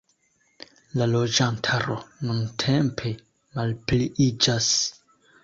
La loĝantaro nuntempe malpliiĝas.